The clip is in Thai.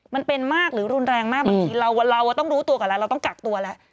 มันเป็นมากหรือรุนแรงมากบางทีเราต้องรู้ตัวกันแล้วเราต้องกักตัวแล้ว